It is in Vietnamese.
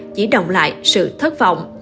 chỉ đồng lại sự thất vọng